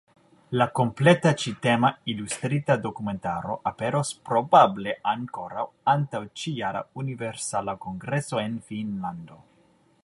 La kompleta ĉi-tema ilustrita dokumentaro aperos probable ankoraŭ antaŭ ĉi-jara Universala Kongreso en Finnlando.